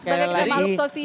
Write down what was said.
sekali lagi kita makhluk sosial